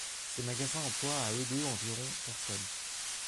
Ces magasins emploient à eux deux environ personnes.